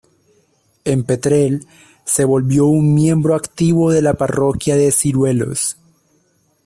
En Petrel, se volvió un miembro activo de la parroquia de Ciruelos.